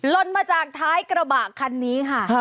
ลนมาจากท้ายกระบะคันนี้ค่ะ